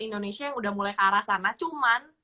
indonesia yang udah mulai ke arah sana cuman